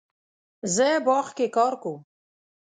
زه باغ کې کار کوم